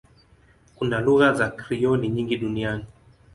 Kuna lugha za Krioli nyingi duniani.